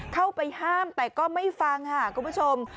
เข้าไปห้ามแต่ก็ไม่ฟังค่ะคุณผู้ชม